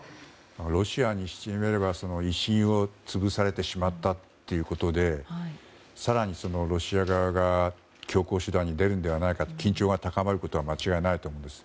ロシアにしてみれば威信を潰されてしまったということで更に、ロシア側が強硬手段に出るのではないかと緊張が高まることは間違いないと思うんです。